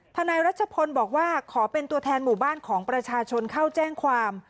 นายรัชพลบอกว่าขอเป็นตัวแทนหมู่บ้านของประชาชนเข้าแจ้งความ